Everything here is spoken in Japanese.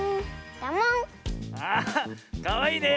あかわいいね。